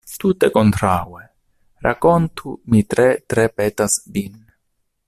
Tute kontraŭe; rakontu, mi tre, tre petas vin.